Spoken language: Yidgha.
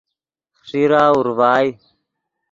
خیݰیرہ اورڤائے